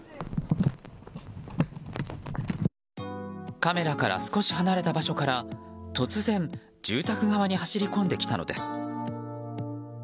カメラから少し離れた場所から突然、住宅側に走り込んできたのです。